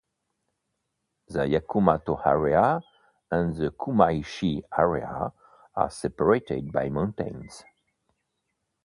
The Yakumo area and the Kumaishi area are separated by mountains.